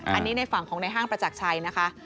อันนี้ในฝั่งของในห้างประจักรชัยนะคะ